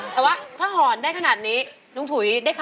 กว่าจะจบรายการเนี่ย๔ทุ่มมาก